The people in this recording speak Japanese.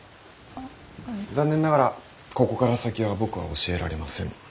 残念ながらここから先は僕は教えられません。